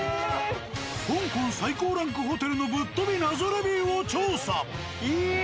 香港最高ランクホテルのぶっ飛び謎レビューを調査。